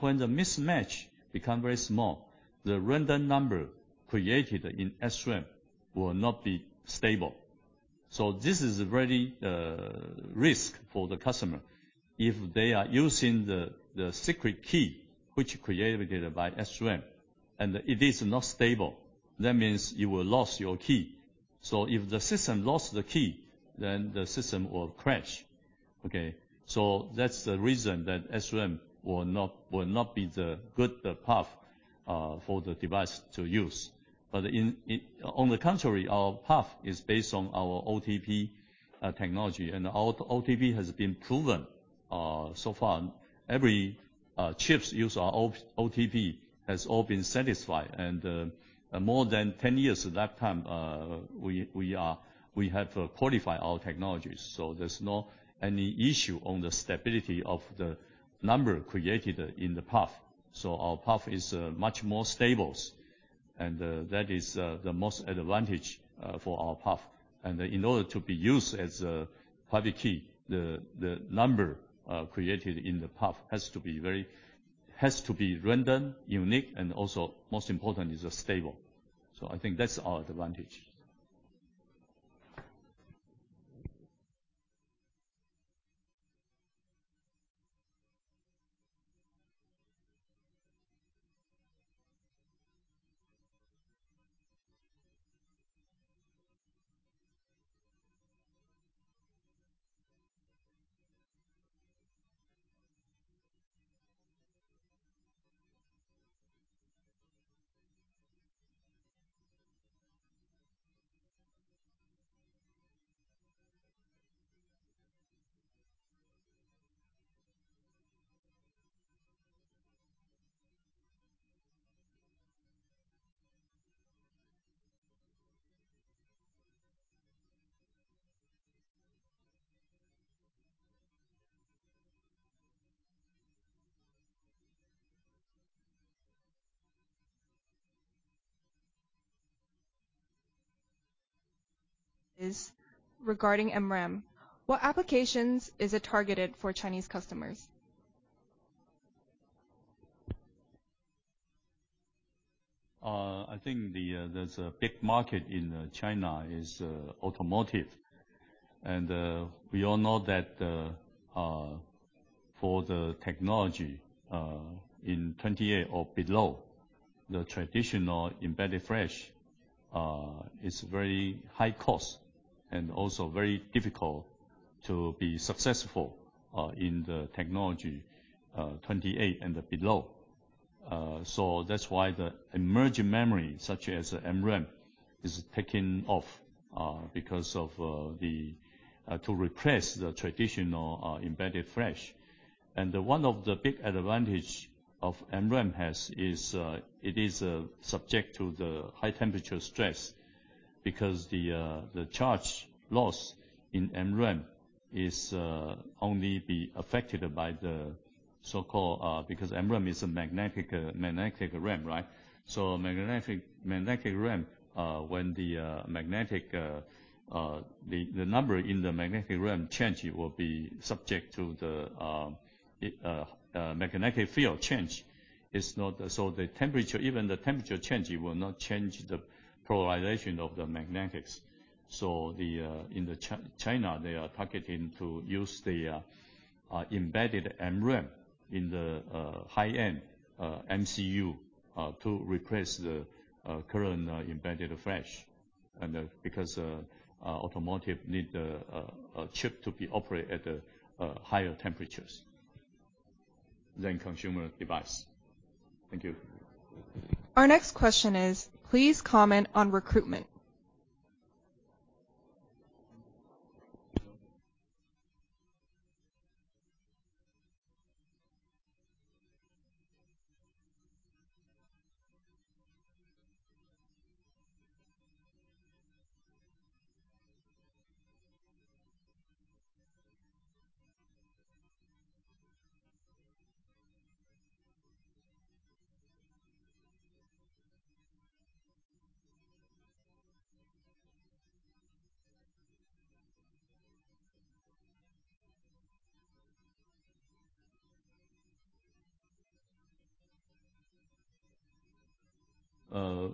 When the mismatch becomes very small, the random number created in SRAM will not be stable. This is very risky for the customer. If they are using the secret key which is created by SRAM, and it is not stable, that means you will lose your key. If the system lost the key, the system will crash. That's the reason that SRAM will not be a good PUF for the device to use. On the contrary, our PUF is based on our OTP technology, and our OTP has been proven so far. Every chip using our OTP has all been satisfied. More than 10 years at that time, we have qualified our technologies. There's no issue on the stability of the number created in the PUF. Our PUF is much more stable, and that is the most advantage for our PUF. In order to be used as a public key, the number created in the PUF has to be very random, unique, and also most important is stable. I think that's our advantage. It's regarding MRAM. What applications is it targeted for Chinese customers? I think there's a big market in China in automotive. We all know that for the technology in 28 or below, the traditional embedded Flash is very high cost and also very difficult to be successful in the technology 28 and below. That's why the emerging memory, such as MRAM, is taking off to replace the traditional embedded Flash. One of the big advantage of MRAM is it is subject to the high temperature stress because the charge loss in MRAM is only affected because MRAM is a magnetic RAM, right? Magnetic RAM, when the magnetic, the number in the magnetic RAM change, it will be subject to the magnetic field change. It's not. The temperature, even the temperature changing will not change the polarization of the magnetics. In China, they are targeting to use the embedded MRAM in the high-end MCU to replace the current embedded Flash. Because automotive need a chip to be operate at higher temperatures than consumer device. Thank you. Our next question is, please comment on recruitment.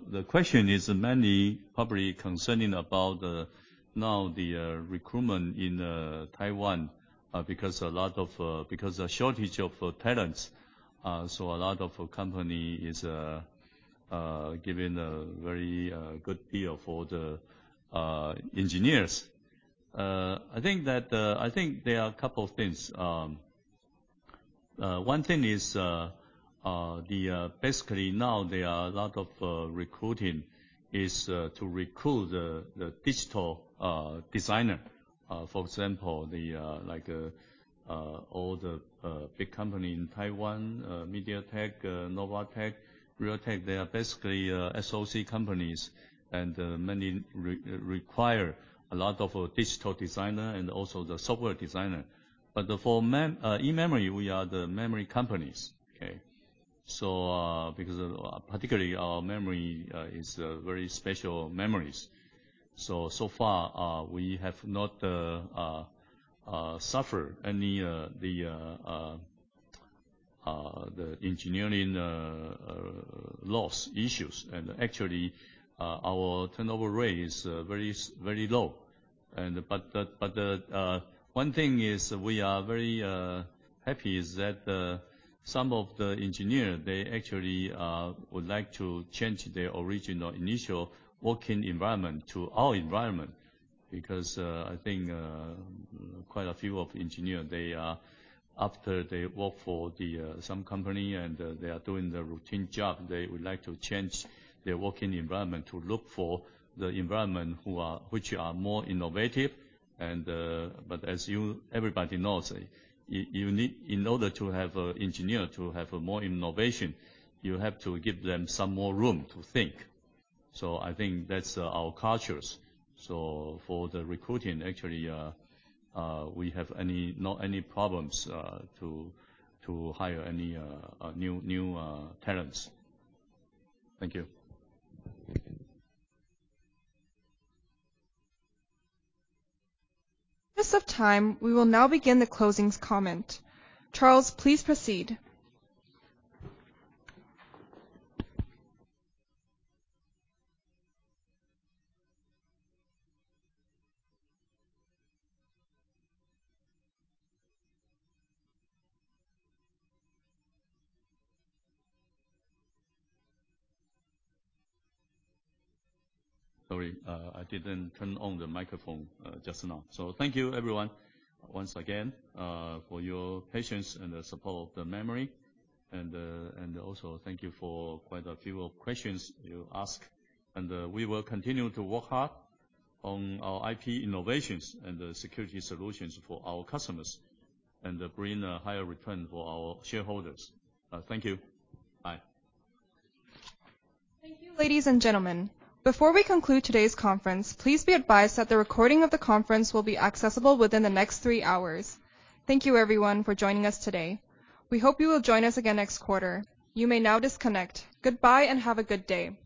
The question is many probably concerning about now the recruitment in Taiwan because a lot of because the shortage of talents so a lot of company is giving a very good deal for the engineers. I think there are a couple of things. One thing is basically now there are a lot of recruiting to recruit the digital designer. For example, like all the big company in Taiwan, MediaTek, Novatek, Realtek, they are basically SoC companies, and many require a lot of digital designer and also the software designer. For eMemory, we are the memory companies, okay, because particularly our memory is very special memories. So far we have not suffered any engineering loss issues. Actually, our turnover rate is very low. One thing is we are very happy that some of the engineers they actually would like to change their original initial working environment to our environment. Because I think quite a few of engineers they after they work for some company and they are doing the routine job they would like to change their working environment to look for the environment which are more innovative. Everybody knows you need in order to have engineers to have more innovation you have to give them some more room to think. I think that's our cultures. For the recruiting, actually, we have no problems to hire any new talents. Thank you. In the interest of time, we will now begin the closing comments. Charles, please proceed. Sorry, I didn't turn on the microphone just now. Thank you everyone once again for your patience and the support of eMemory. Also thank you for quite a few questions you ask. We will continue to work hard on our IP innovations and the security solutions for our customers, and bring a higher return for our shareholders. Thank you. Bye. Thank you, ladies and gentlemen. Before we conclude today's conference, please be advised that the recording of the conference will be accessible within the next three hours. Thank you everyone for joining us today. We hope you will join us again next quarter. You may now disconnect. Goodbye, and have a good day.